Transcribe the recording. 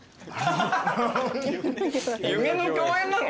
夢の共演なの？